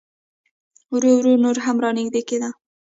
ورو ورو نور هم را نږدې کېده.